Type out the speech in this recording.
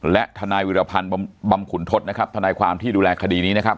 และทนายวิรพันธ์บำขุนทศนะครับทนายความที่ดูแลคดีนี้นะครับ